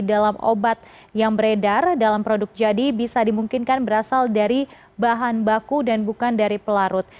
dalam obat yang beredar dalam produk jadi bisa dimungkinkan berasal dari bahan baku dan bukan dari pelarut